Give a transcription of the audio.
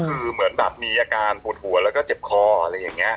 คือเหมือนแบบมีอาการปวดหัวแล้วก็เจ็บคออะไรอย่างนี้